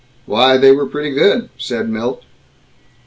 "Why, they were pretty good," said Milt.